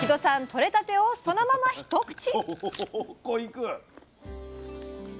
とれたてをそのまま一口！